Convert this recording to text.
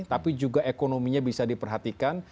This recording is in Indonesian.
tapi juga ekonominya bisa diperhatikan